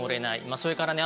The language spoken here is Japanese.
それからね